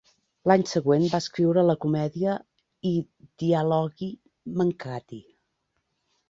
L'any següent va escriure la comèdia "I dialoghi mancati".